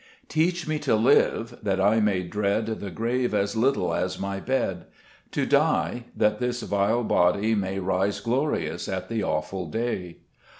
3 Teach me to live, that I may dread The grave as little as my bed ; To die, that this vile body may Rise glorious at the awful day.